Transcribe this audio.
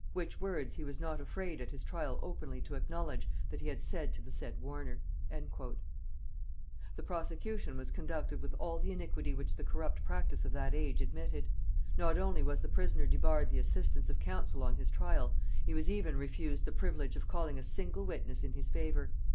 Which words he was not afraid at his trial openly to acknowledge that he had said to the said Warner." [Note 25: Strype's Ecclesiastical Memorials.] The prosecution was conducted with all the iniquity which the corrupt practice of that age admitted. Not only was the prisoner debarred the assistance of counsel on his trial, he was even refused the privilege of calling a single witness in his favor.